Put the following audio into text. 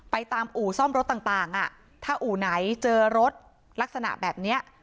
ตามอู่ซ่อมรถต่างอ่ะถ้าอู่ไหนเจอรถลักษณะแบบนี้